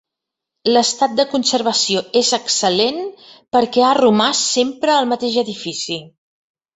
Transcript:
L'estat de conservació és excel·lent perquè ha romàs sempre al mateix edifici.